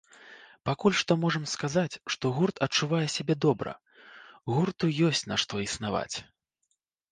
Пакуль што можам сказаць, што гурт адчувае сябе добра, гурту ёсць на што існаваць.